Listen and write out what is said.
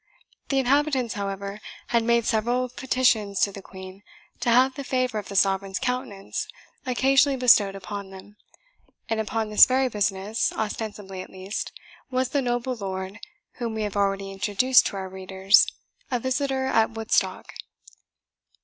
The inhabitants, however, had made several petitions to the Queen to have the favour of the sovereign's countenance occasionally bestowed upon them; and upon this very business, ostensibly at least, was the noble lord, whom we have already introduced to our readers, a visitor at Woodstock.